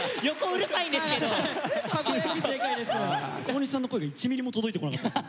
大西さんの声が１ミリも届いてこなかったです。